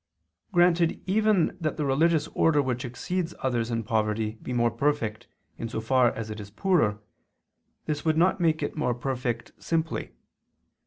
Granted even that the religious order which exceeds others in poverty be more perfect in so far as it is poorer, this would not make it more perfect simply.